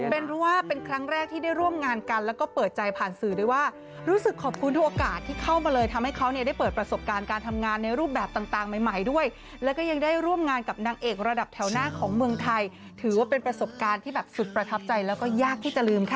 เป็นเพราะว่าเป็นครั้งแรกที่ได้ร่วมงานกันแล้วก็เปิดใจผ่านสื่อด้วยว่ารู้สึกขอบคุณทุกโอกาสที่เข้ามาเลยทำให้เขาเนี่ยได้เปิดประสบการณ์การทำงานในรูปแบบต่างใหม่ด้วยแล้วก็ยังได้ร่วมงานกับนางเอกระดับแถวหน้าของเมืองไทยถือว่าเป็นประสบการณ์ที่แบบสุดประทับใจแล้วก็ยากที่จะลืมค่ะ